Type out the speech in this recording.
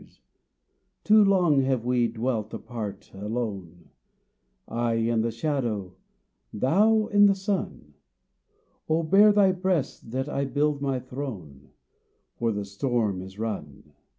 77 TO PSYCHE " Too long have we dwelt apart, alone, I in the shadow, thou in the sun ; Oh, bare thy breast that I build my throne, For the storm is run.